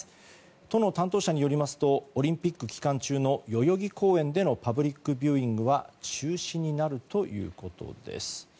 都の担当者によりますとオリンピック期間中の代々木公園でのパブリックビューイングは中止になるということです。